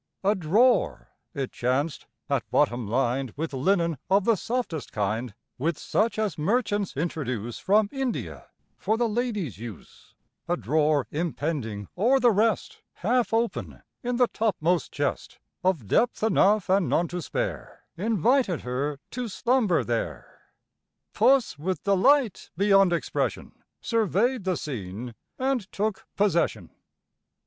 A drawer, it chanced, at bottom lined With linen of the softest kind, With such as merchants introduce From India, for the ladies' use, A drawer impending o'er the rest, Half open in the topmost chest, Of depth enough, and none to spare, Invited her to slumber there; Puss with delight beyond expression, Survey'd the scene, and took possession.